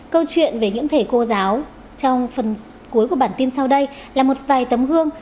câu chuyện về những thể cô giáo trong phần cuối của bản tin sau đây là một vài tấm gương